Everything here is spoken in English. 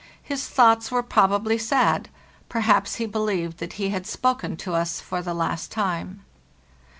His thoughts were probably sad; perhaps he believed that he had spoken to us for the last time.